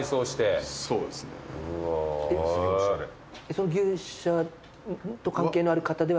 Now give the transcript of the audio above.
その牛舎と関係のある方では。